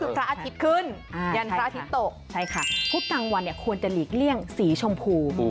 พุธกลางวันเนี่ยควรจะหลีกเลี่ยงสีชมพู